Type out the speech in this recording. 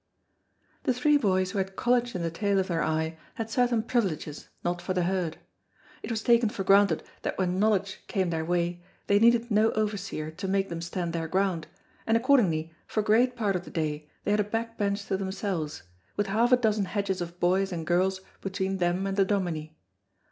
The three boys who had college in the tail of their eye had certain privileges not for the herd. It was taken for granted that when knowledge came their way they needed no overseer to make them stand their ground, and accordingly for great part of the day they had a back bench to themselves, with half a dozen hedges of boys and girls between them and the Dominie.